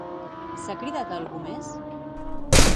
S'ha cridat a algú més?